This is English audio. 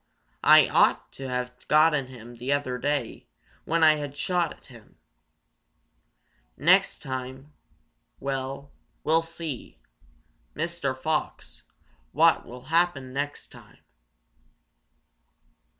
"I ought to have gotten him the other day when I had a shot at him. Next time well, we'll see, Mr. Fox, what will happen next time."